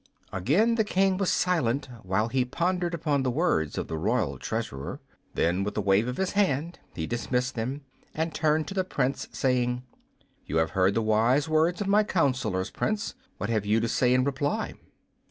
Again the King was silent while he pondered upon the words of the Royal Treasurer. Then, with a wave of his hand, he dismissed them, and turned to the Prince, saying, "You have heard the wise words of my councilors, Prince. What have you to say in reply?"